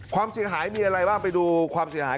ความเสียหายมีอะไรบ้างไปดูความเสียหาย